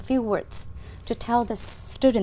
và dù bằng những thông tin